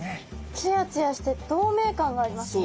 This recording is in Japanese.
ツヤツヤして透明感がありますね。